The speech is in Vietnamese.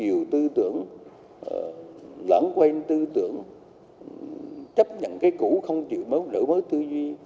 nhiều tư tưởng lãng quên tư tưởng chấp nhận cái cũ không chịu mới đỡ mới tư duy